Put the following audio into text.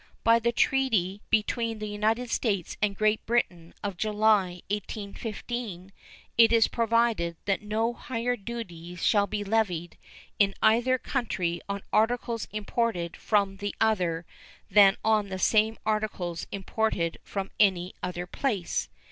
By the treaty between the United States and Great Britain of July, 1815, it is provided that no higher duties shall be levied in either country on articles imported from the other than on the same articles imported from any other place.